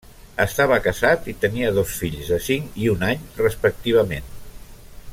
Estava casat i tenia dos fills, de cinc i un any respectivament.